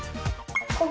ここ？